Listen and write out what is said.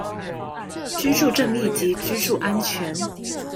居住正義及居住安全